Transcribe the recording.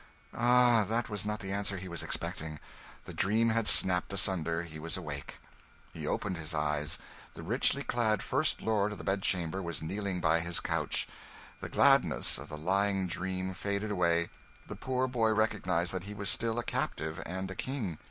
Ah! that was not the answer he was expecting. The dream had snapped asunder he was awake. He opened his eyes the richly clad First Lord of the Bedchamber was kneeling by his couch. The gladness of the lying dream faded away the poor boy recognised that he was still a captive and a king.